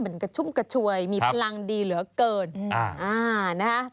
มันกระชุ่มกระชวยมีพลังดีเหลือเกิน